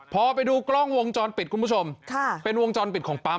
พอไปดูกล้องวงจรปิดคุณผู้ชมค่ะเป็นวงจรปิดของปั๊ม